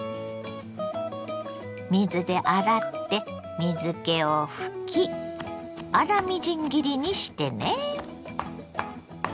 水で洗って水けを拭き粗みじん切りにしてね。